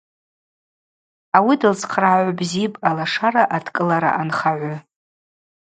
Ауи дылцхърагӏагӏв бзипӏ Алашара адкӏылара анхагӏвы.